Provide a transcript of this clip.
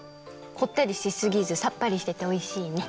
こってりしすぎずさっぱりしてておいしいね。